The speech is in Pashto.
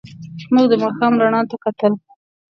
موږ د ماښام رڼا ته کتل.